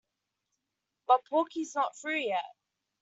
But Porky's not through yet.